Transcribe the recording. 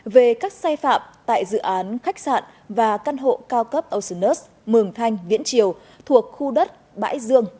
về các sai phạm tại dự án khách sạn và căn hộ cao cấp ocean earth mường thanh viễn triều thuộc khu đất bãi dương